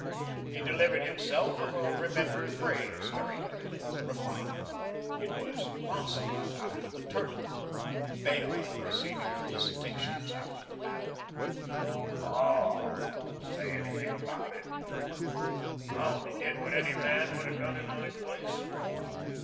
He delivered himself of a remembered phrase, very elegant, refined. It was Lancelot after the tournament, Bayard receiving felicitations after the battle. "Oh, don't say anything about it," he murmured. "I only did what any man would have done in my place."